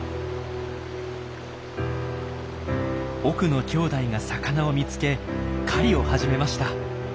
奥のきょうだいが魚を見つけ狩りを始めました。